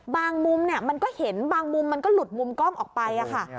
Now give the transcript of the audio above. มุมมันก็เห็นบางมุมมันก็หลุดมุมกล้องออกไปค่ะ